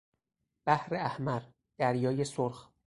بحر احمر، دریای سرخ